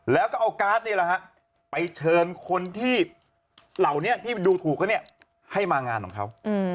แล้วก็เอาการ์ดนี้ไปเชิญคนที่เหล่านี้ที่ดูถูกแล้วให้มางานของเขา